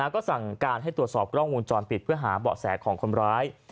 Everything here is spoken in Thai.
ก็สั่งการให้ตรวจสอบกล้องวงจรปิดเพื่อหาเบาะแสของคนร้าย